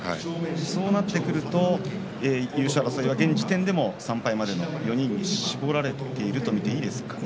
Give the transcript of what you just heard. そうなってくると優勝争いは現時点でも３敗までの４人に絞られていると見ていいですかね。